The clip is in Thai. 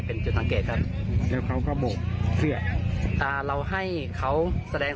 เป็นจุดสังเกตกันแล้วเขาก็โบกเสื้ออ่าเราให้เขาแสดง